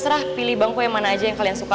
terserah pilih bangku yang mana aja yang kalian suka